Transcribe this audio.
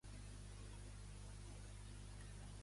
L'Església de Nigèria té una diòcesi de Katsina.